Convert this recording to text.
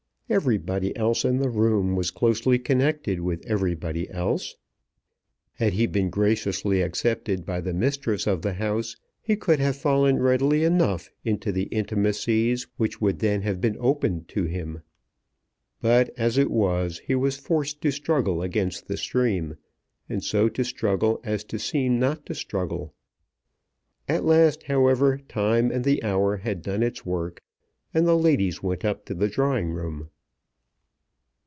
Everybody else in the room was closely connected with everybody else. Had he been graciously accepted by the mistress of the house, he could have fallen readily enough into the intimacies which would then have been opened to him. But as it was he was forced to struggle against the stream, and so to struggle as to seem not to struggle. At last, however, time and the hour had done its work, and the ladies went up to the drawing room.